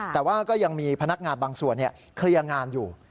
แต่ว่าก็ยังมีพนักงานบางส่วนเคลียร์งานอยู่